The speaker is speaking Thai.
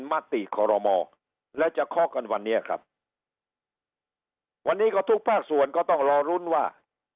มติขอรมอแล้วจะเคาะกันวันนี้ครับวันนี้ก็ทุกภาคส่วนก็ต้องรอลุ้นว่า